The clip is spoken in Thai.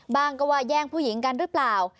บ้างก็ว่าแย่งผู้หญิงกันหรือเปล่า